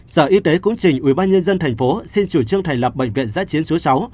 sở y tế cũng trình ubnd thành phố xin chủ trương thành lập bệnh viện giá chiến số sáu